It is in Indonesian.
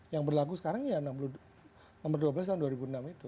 yang berlaku sekarang ya nomor dua belas tahun dua ribu enam itu